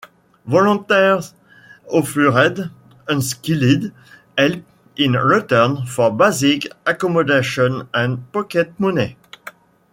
Volunteers offered unskilled help in return for basic accommodation and pocket money.